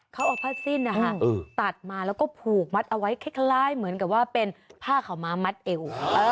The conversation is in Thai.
เขาเอาผ้าสิ้นนะคะตัดมาแล้วก็ผูกมัดเอาไว้คล้ายเหมือนกับว่าเป็นผ้าขาวม้ามัดเอว